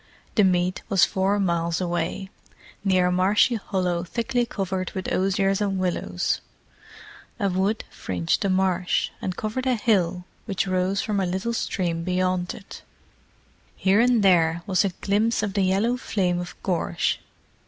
The meet was four miles away, near a marshy hollow thickly covered with osiers and willows. A wood fringed the marsh, and covered a hill which rose from a little stream beyond it. Here and there was a glimpse of the yellow flame of gorse.